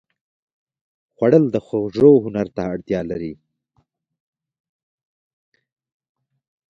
خوړل د خوړو هنر ته اړتیا لري